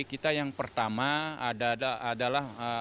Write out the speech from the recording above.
kita yang pertama adalah